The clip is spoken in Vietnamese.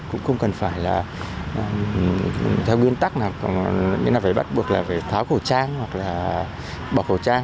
cũng cần phải là theo nguyên tắc là phải bắt buộc là phải tháo khẩu trang hoặc là bọc khẩu trang